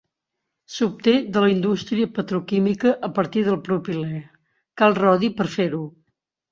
S’obté de la indústria petroquímica a partir del propilè, cal rodi per fer-ho.